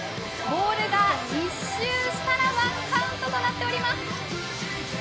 ボールが１周したら１カウントとなっております。